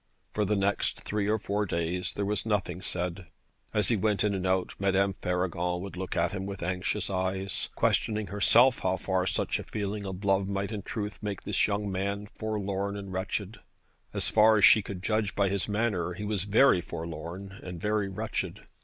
For the next three or four days there was nothing said. As he went in and out Madame Faragon would look at him with anxious eyes, questioning herself how far such a feeling of love might in truth make this young man forlorn and wretched. As far as she could judge by his manner he was very forlorn and very wretched.